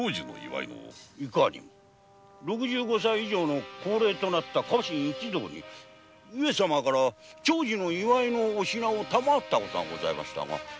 いかにも六十五歳以上の高齢となった家臣一同に上様から長寿の祝いの品を賜った事がございましたがあの時の。